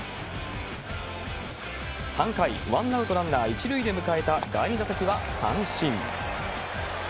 ３回、ワンアウトランナー１塁で迎えた第２打席は三振。